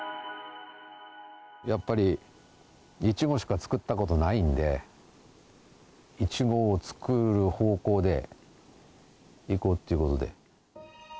やっぱり、イチゴしか作ったことないんで、イチゴを作る方向でいこうっていうことで。